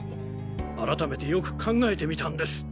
改めてよく考えてみたんです。